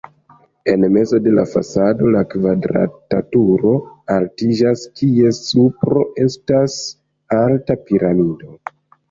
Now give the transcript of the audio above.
En mezo de la fasado la kvadrata turo altiĝas, kies supro estas alta piramido.